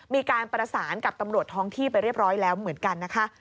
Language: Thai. มีการประสานกับตำรวจท้องที่ไปเรียบร้อยแล้วเหมือนกันนะคะ